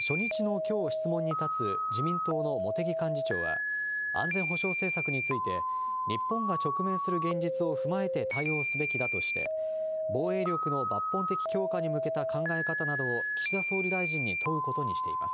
初日のきょう、質問に立つ自民党の茂木幹事長は、安全保障政策について、日本が直面する現実を踏まえて対応すべきだとして、防衛力の抜本的強化に向けた考え方などを岸田総理大臣に問うことにしています。